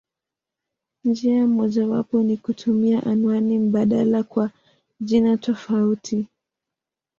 Njia mojawapo ni kutumia anwani mbadala kwa jina tofauti.